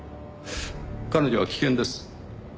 彼女は危険です。